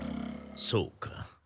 そうか。